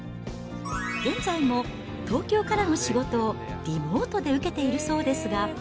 現在も東京からの仕事をリモートで受けているそうですが。